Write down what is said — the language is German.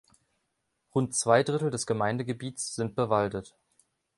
Rund zwei Drittel des Gemeindegebiets sind bewaldet.